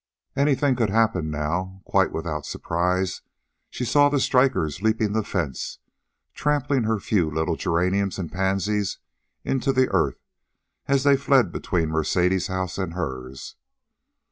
Anything could happen now. Quite without surprise, she saw the strikers leaping the fence, trampling her few little geraniums and pansies into the earth as they fled between Mercedes' house and hers.